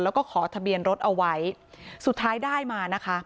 แล้วก็ขอทะเบียนรถเอาไว้สุดท้ายได้มานะคะ